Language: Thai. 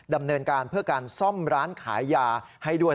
ดำเนินการเพื่อการซ่อมร้านขายยาให้ด้วย